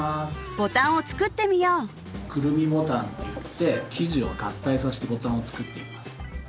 ボタンを作ってみようくるみボタンといって生地を合体させてボタンを作っていきます